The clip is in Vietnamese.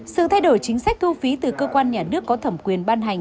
sự thay đổi chính sách thu phí từ cơ quan nhà nước có thẩm quyền ban hành